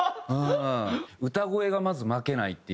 歌声がまず負けないっていう。